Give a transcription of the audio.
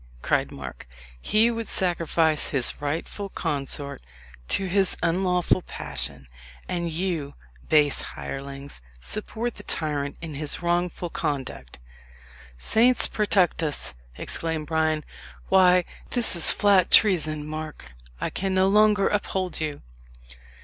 cried Mark. "He would sacrifice his rightful consort to his unlawful passion; and you, base hirelings, support the tyrant in his wrongful conduct!" "Saints protect us!" exclaimed Bryan. "Why, this is flat treason. Mark, I can no longer uphold you."